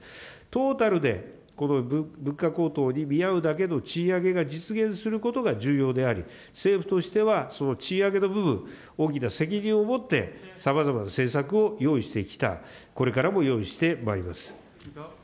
トータルでこの物価高騰に見合うだけの賃上げが実現することが重要であり、政府としては、賃上げの部分、大きな責任をもって、さまざまな政策を用意していきたい、これからも用意してまいります。